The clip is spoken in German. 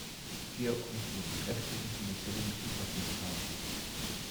Georg muss über beträchtliche finanzielle Mittel verfügt haben.